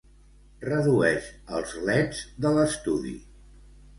Redueix els leds de l'estudi.